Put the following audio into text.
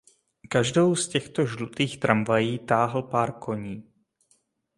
Každou z těchto žlutých tramvají táhl pár koní.